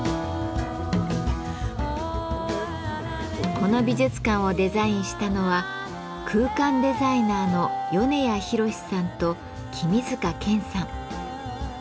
この美術館をデザインしたのは空間デザイナーの米谷ひろしさんと君塚賢さん。